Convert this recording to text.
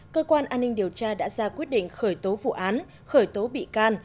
cơ quan an ninh điều tra đã ra quyết định khởi tố vụ án khởi tố bị can